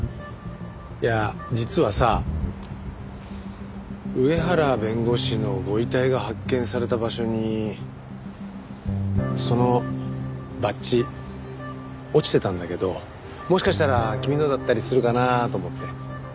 いや実はさ上原弁護士のご遺体が発見された場所にそのバッジ落ちてたんだけどもしかしたら君のだったりするかなと思って。